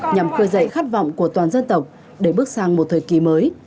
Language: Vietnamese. nhằm khơi dậy khát vọng của toàn dân tộc để bước sang một thời kỳ mới